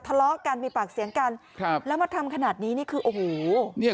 ทะเลาะกันมีปากเสียงกันครับแล้วมาทำขนาดนี้นี่คือโอ้โหเนี่ย